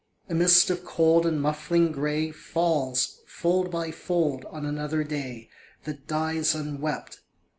A mist of cold and muffling grey Falls, fold by fold, on another day That dies unwept.